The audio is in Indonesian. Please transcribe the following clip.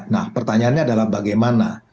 nah pertanyaannya adalah bagaimana